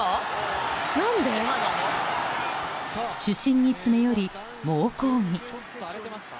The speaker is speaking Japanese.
主審に詰め寄り猛抗議。